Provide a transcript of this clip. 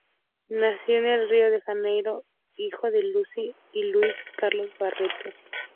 Nació en Río de Janeiro, hijo de Lucy y Luiz Carlos Barreto.